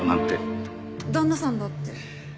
旦那さんだって。